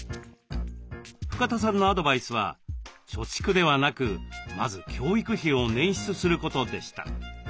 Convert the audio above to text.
深田さんのアドバイスは貯蓄ではなくまず教育費を捻出することでした。